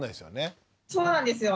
そうなんですよ。